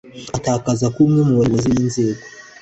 atakaza kuba umwe mu bayobozi b inzego